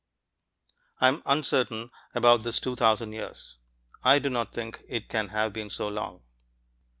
I am uncertain about this two thousand years I do not think it can have been so long.